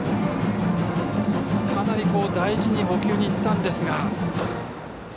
かなり大事に捕球にいったんですが。